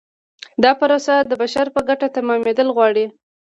دا پروسه د بشر په ګټه تمامیدل غواړي.